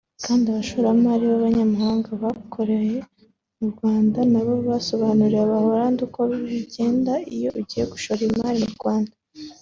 kandi abashoramari b’abanyamahanga bakorera mu Rwanda nabo basobanuriye Abaholande uko bigenda iyo ugiye gushora imari mu Rwanda